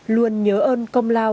luôn nhớ ơn công lao